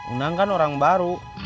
unang kan orang baru